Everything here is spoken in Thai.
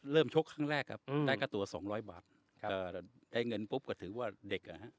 ชกครั้งแรกครับได้ค่าตัว๒๐๐บาทครับได้เงินปุ๊บก็ถือว่าเด็กอ่ะฮะ